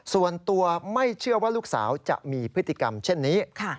ส่วนตัวไม่เชื่อว่าลูกสาวจะมีพฤติกรรมเช่นนี้